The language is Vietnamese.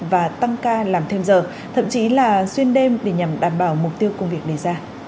và tăng ca làm thêm giờ thậm chí là xuyên đêm để nhằm đảm bảo mục tiêu công việc đề ra